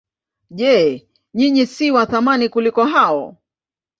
Je, ninyi si wa thamani kuliko hao?